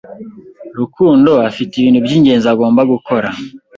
Rukundo afite ibintu by'ingenzi agomba gukora.